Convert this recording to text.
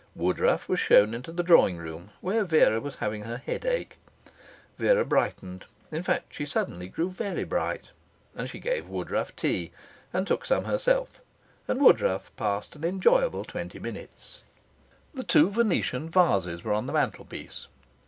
Woodruff was shown into the drawing room, where Vera was having her headache. Vera brightened. In fact, she suddenly grew very bright. And she gave Woodruff tea, and took some herself, and Woodruff passed an enjoyable twenty minutes. The two Venetian vases were on the mantelpiece.